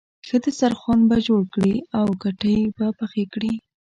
ښه دسترخوان به جوړ کړې او کټوۍ به پخه کړې.